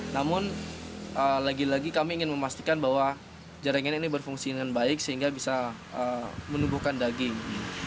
namun lagi lagi kami ingin memastikan bahwa jaringan ini berfungsi dengan baik sehingga bisa menumbuhkan daging